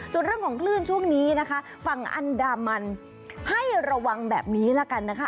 ส่วนเรื่องของคลื่นช่วงนี้นะคะฝั่งอันดามันให้ระวังแบบนี้ละกันนะคะ